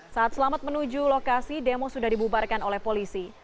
saat selamat menuju lokasi demo sudah dibubarkan oleh polisi